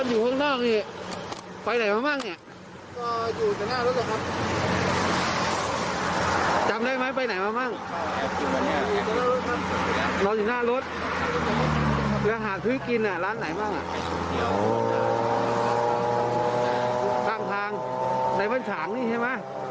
ในบ้านฉางนี่ใช่ไหม